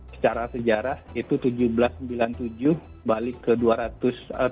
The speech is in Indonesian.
secara sejarah itu seribu tujuh ratus sembilan puluh tujuh balik ke dua ratus tiga puluh